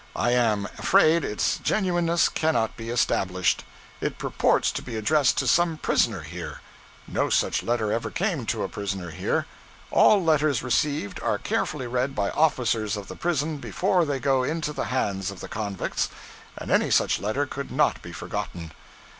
I am afraid its genuineness cannot be established. It purports to be addressed to some prisoner here. No such letter ever came to a prisoner here. All letters received are carefully read by officers of the prison before they go into the hands of the convicts, and any such letter could not be forgotten.